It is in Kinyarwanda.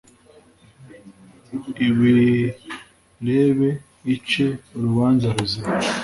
ibirebe ice urubanza ruzima